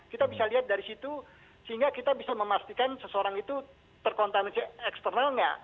kita bisa lihat dari situ sehingga kita bisa memastikan seseorang itu terkontaminasi eksternalnya